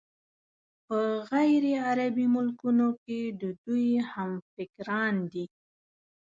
په غیرعربي ملکونو کې د دوی همفکران دي.